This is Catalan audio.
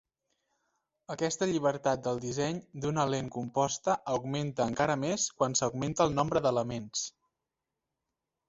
Aquesta llibertat del disseny d'una lent composta augmenta encara més quan s'augmenta el nombre d'elements.